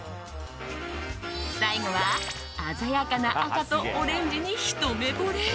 最後は、鮮やかな赤とオレンジにひと目ぼれ。